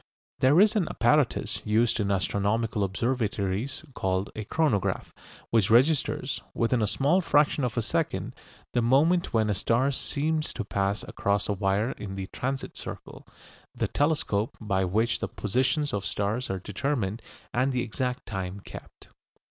There is an apparatus used in astronomical observatories called a chronograph, which registers, within a small fraction of a second, the moment when a star seems to pass across a wire in the "transit circle," the telescope by which the positions of stars are determined and the exact time kept.